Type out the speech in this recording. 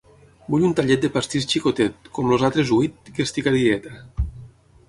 Vull un tallet de pastís xicotet, com els altres huit, que estic a dieta.